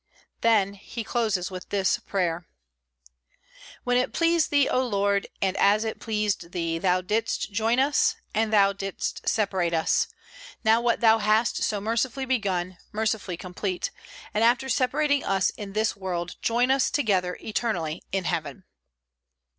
Then he closes with this prayer: "When it pleased Thee, O Lord, and as it pleased Thee, Thou didst join us, and Thou didst separate us. Now, what Thou hast so mercifully begun, mercifully complete; and after separating us in this world, join us together eternally in heaven."